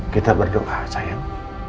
kita berdoa sayang